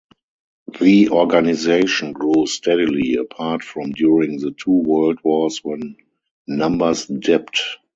The organisation grew steadily, apart from during the two world wars when numbers dipped.